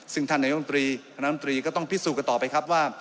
ซึ่งท่านนายกรรมตรีคณะมตรีก็ต้องพิสูจน์กันต่อไปครับว่า